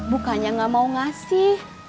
bukannya nggak mau ngasih